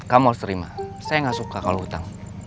kamu harus terima saya nggak suka kalau hutang